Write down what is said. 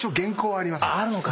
あるのか。